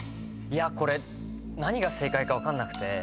これ何が正解か分かんなくて。